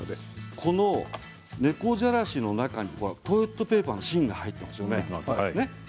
この猫じゃらしの中にトイレットペーパーの芯が入っていますよね。